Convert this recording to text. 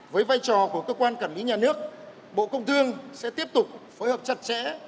với vai trò của cơ quan quản lý nhà nước bộ công thương sẽ tiếp tục phối hợp chặt chẽ